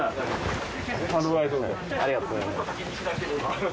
ありがとうございます。